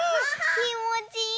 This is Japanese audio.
きもちいいね！